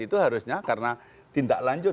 itu harusnya karena tindak lanjut